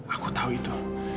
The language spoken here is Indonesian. aku tahu itu